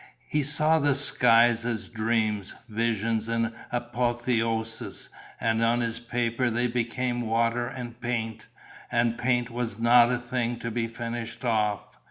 He saw the skies as dreams, visions and apotheoses; and on his paper they became water and paint; and paint was not a thing to be finished off.